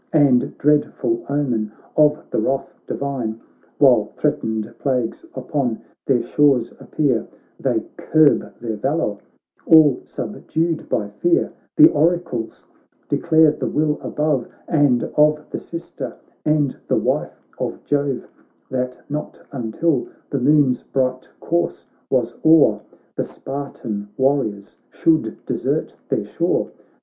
And dreadful omen of the wrath divine ; While threatened plagues upon their shores appear, They curb their valour, all subdued by fear ; The oracles declare the will above, And of the sister and the wife of Jove, That not until the moon's bright course was o'er The Spartan warriors should desert their shore.